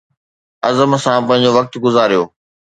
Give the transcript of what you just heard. عزم سان پنهنجو وقت گذاريو